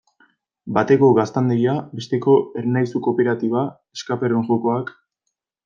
Bateko gaztandegia, besteko Ernaizu kooperatiba, escape-room jokoak...